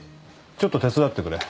ちょっと手伝ってくれ。